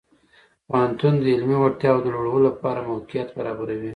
پوهنتون د علمي وړتیاو د لوړولو لپاره موقعیت برابروي.